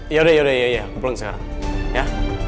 yaudah aku pulang sekarang ya